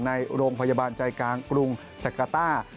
ในโรงพยาบาลใจกลางกรุงจักรต้า